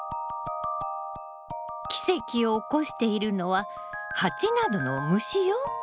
奇跡を起こしているのは蜂などの虫よ。